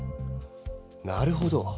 なるほど。